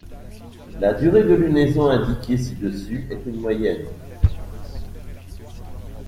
La durée de lunaison indiquée ci-dessus est une moyenne.